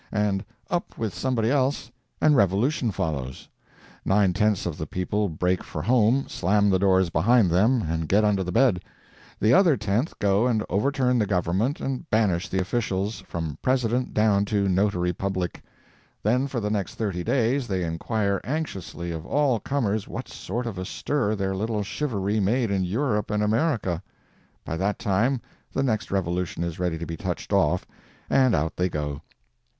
and up with somebody else, and revolution follows. Nine tenths of the people break for home, slam the doors behind them, and get under the bed. The other tenth go and overturn the Government and banish the officials, from President down to notary public. Then for the next thirty days they inquire anxiously of all comers what sort of a stir their little shivaree made in Europe and America! By that time the next revolution is ready to be touched off, and out they go.